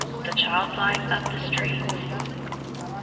THE CHILD LIFE OF THE STREETS.